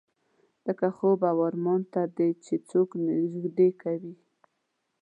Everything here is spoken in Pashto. لکه خوب او ارمان ته دې چې څوک نږدې کوي.